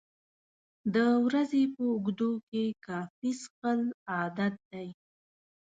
د ورځې په اوږدو کې کافي څښل عادت دی.